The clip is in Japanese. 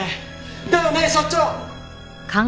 だよね所長！